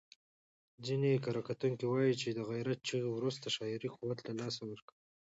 ځینې کره کتونکي وايي چې د غیرت چغې وروسته شاعري قوت له لاسه ورکړ.